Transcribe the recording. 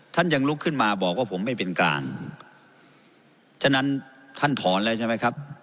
ท่านยังลุกขึ้นมาบอกว่าผมไม่เป็นกลางฉะนั้นท่านถอนแล้วใช่ไหมครับ